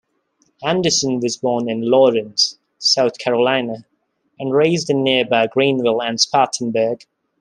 Anderson was born in Laurens, South Carolina, and raised in nearby Greenville and Spartanburg.